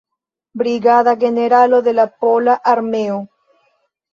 Brigada generalo de la Pola Armeo.